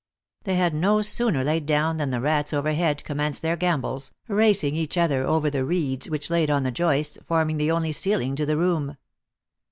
They had no sooner lain down than the rats overhead com menced their gambols, racing each other over the reeds which laid on the joists, formed the only ceiling to the room.